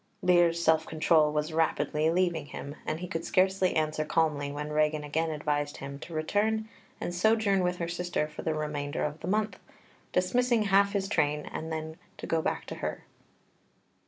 Lear's self control was rapidly leaving him, and he could scarcely answer calmly when Regan again advised him to return and sojourn with her sister for the remainder of the month, dismissing half his train, and then to go back to her.